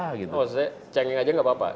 oh maksudnya cengeng saja tidak apa apa